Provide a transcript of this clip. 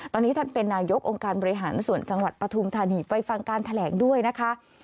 ตอนนี้ท่านเป็นนายกองค์การบริหารส่วนจังหวัดปฐุมธานีไปฟังการแถลงด้วยนะคะ